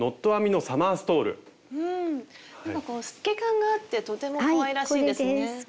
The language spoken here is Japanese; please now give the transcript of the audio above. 透け感があってとてもかわいらしいですね。